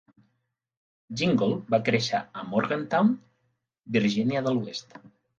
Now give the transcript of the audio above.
Gingold va créixer a Morgantown, Virgínia de l'Oest.